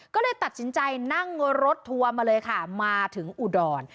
ก็เลยตัดสินใจนั่งรถทัวร์มาเลยค่ะมาถึงอุดร